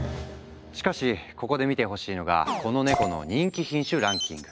しかしここで見てほしいのがこのネコの人気品種ランキング。